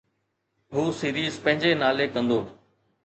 هو سيريز پنهنجي نالي ڪندو.